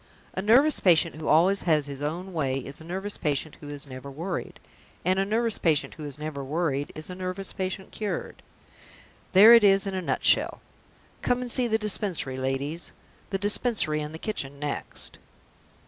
A nervous patient who always has his own way is a nervous patient who is never worried; and a nervous patient who is never worried is a nervous patient cured. There it is in a nutshell! Come and see the Dispensary, ladies; the Dispensary and the kitchen next!"